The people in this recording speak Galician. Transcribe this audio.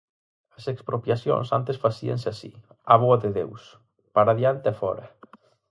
As expropiacións antes facíanse así, á boa de Deus, para adiante e fóra.